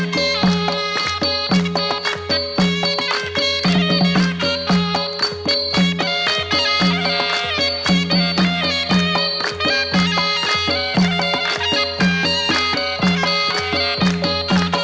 สวัสดีครับ